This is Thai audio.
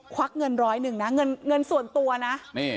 วักเงินร้อยหนึ่งนะเงินส่วนตัวนะ